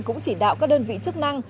cũng chỉ đạo các đơn vị chức năng